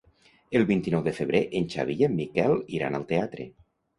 El vint-i-nou de febrer en Xavi i en Miquel iran al teatre.